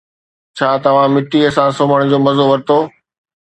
ڇا توهان مٽي سان سمهڻ جو مزو ورتو؟